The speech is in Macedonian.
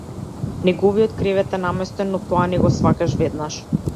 Неговиот кревет е наместен, но тоа не го сфаќаш веднаш.